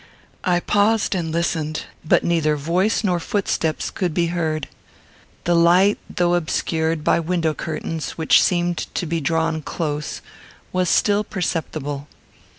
I paused, and listened, but neither voice nor footsteps could be heard. The light, though obscured by window curtains, which seemed to be drawn close, was still perceptible.